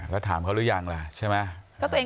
แล้วถามเขาหรือยังล่ะใช่ไหม